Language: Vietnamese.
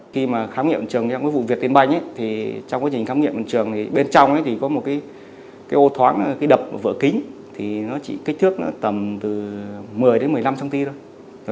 khi khám nghiệm trường trong vụ việc tiến banh trong quá trình khám nghiệm trường bên trong có một ô thoáng đập vỡ kính kích thước tầm một mươi một mươi năm cm